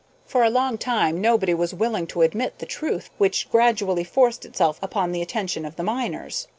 For a long time nobody was willing to admit the truth which gradually forced itself upon the attention of the miners.